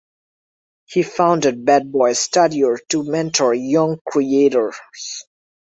He founded Bad Boy Studios to mentor younger creators.